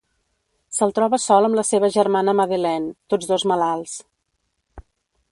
Se'l troba sol amb la seva germana Madeleine, tots dos malalts.